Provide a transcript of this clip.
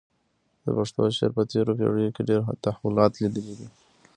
د پښتو شعر په تېرو پېړیو کې ډېر تحولات لیدلي دي.